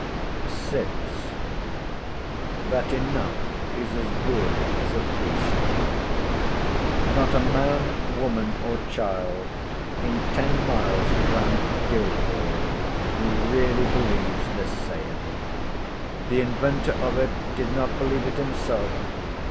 VI.—THAT ENOUGH IS AS GOOD AS A FEAST Not a man, woman, or child in ten miles round Guildhall, who really believes this saying. The inventor of it did not believe it himself.